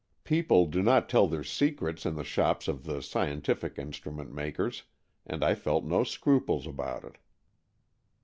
People do not tell their secrets in the shops of the scientific instrument makers, and I felt no scruples about it.